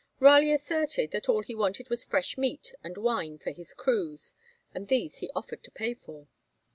Raleigh asserted that all he wanted was fresh meat and wine for his crews, and these he offered to pay for.